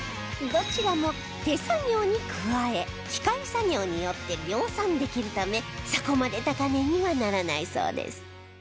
どちらも手作業に加え機械作業によって量産できるためそこまで高値にはならないそうです